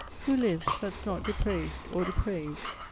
Who lives, that's not Depraved or depraves?